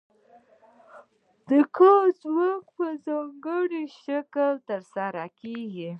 د کاري ځواک تولید په ځانګړي شکل ترسره کیږي.